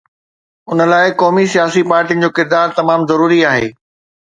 ان لاءِ قومي سياسي پارٽين جو ڪردار تمام ضروري آهي.